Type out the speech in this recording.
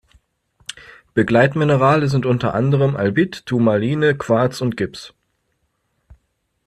Begleitminerale sind unter anderem Albit, Turmaline, Quarz und Gips.